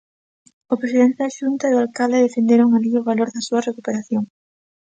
O presidente da Xunta e o alcalde defenderon alí o valor da súa recuperación.